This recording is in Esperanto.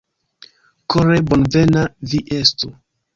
Kore bonvena vi estu!